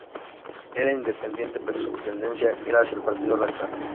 Era independiente, pero su tendencia era hacia el Partido Radical.